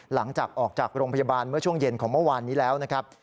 หลังจากออกจากโรงพยาบาลเมื่อช่วงเย็นของเมื่อวานนี้แล้วนะครับ